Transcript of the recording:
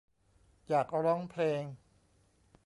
อยากร้องเพลง